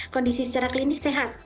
kondisi secara klinis sehat